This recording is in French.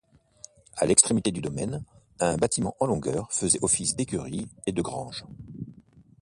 À l'extrémité du domaine un bâtiment en longueur faisait office d'écurie et de grange.